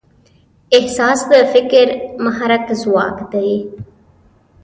احساس د فکر محرک ځواک دی.